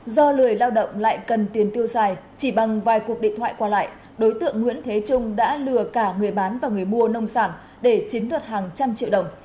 do lười lao động lại cần tiền tiêu xài chỉ bằng vài cuộc điện thoại qua lại đối tượng nguyễn thế trung đã lừa cả người bán và người mua nông sản để chiến thuật hàng trăm triệu đồng